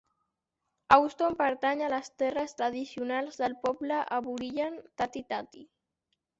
Euston pertany a les terres tradicionals del poble aborigen Tati Tati.